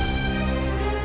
aku mau ke sana